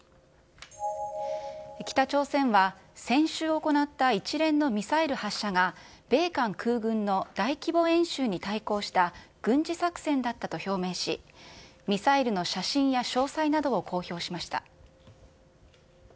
北朝鮮は、先週行った一連のミサイル発射が、米韓空軍の大規模演習に対抗した軍事作戦だったと表明し、ミサイルの写真や詳細などを公表しました。